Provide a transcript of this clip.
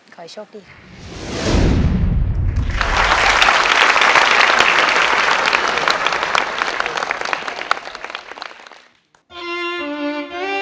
ขอให้โชคดีค่ะ